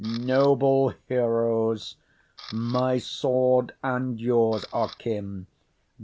Noble heroes, my sword and yours are kin.